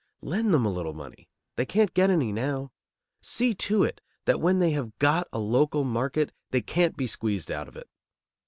Lend them a little money. They can't get any now. See to it that when they have got a local market they can't be squeezed out of it.